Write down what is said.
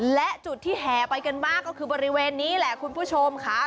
และจุดที่แห่ไปกันมากก็คือบริเวณนี้แหละคุณผู้ชมค่ะ